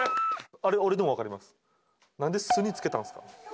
あれ俺でもわかります。